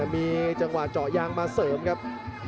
มีจังหวะเจาะยางมาเสริมครับ